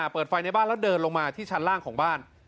เปิดไฟในบ้านแล้วเดินลงมาที่ชั้นล่างของบ้าน